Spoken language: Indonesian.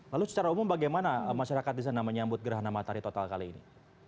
lalu secara umum bagaimana masyarakat di sana menyambut gerhana matahari total kali ini